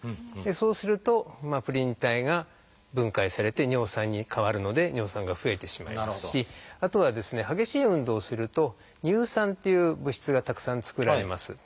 そうするとプリン体が分解されて尿酸に変わるので尿酸が増えてしまいますしあとはですね激しい運動をすると「乳酸」っていう物質がたくさん作られます。